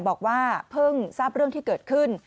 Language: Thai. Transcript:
บอกว่าเพิ่งทราบเรื่องที่เกิดขึ้น